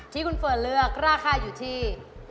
ที่คุณเฟิร์นเลือกราคาอยู่ที่